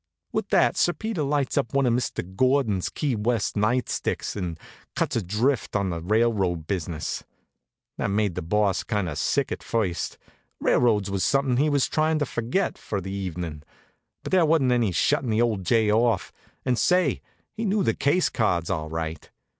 With that Sir Peter lights up one of Mr. Gordon's Key West night sticks and cuts adrift on the railroad business. That made the boss kind of sick at first. Railroads was something he was tryin' to forget for the evenin'. But there wasn't any shuttin' the old jay off. And say! he knew the case cards all right.